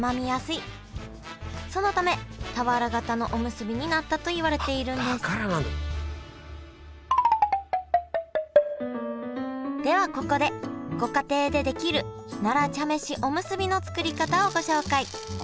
そのため俵型のおむすびになったといわれているんですではここでご家庭でできる奈良茶飯おむすびの作り方をご紹介。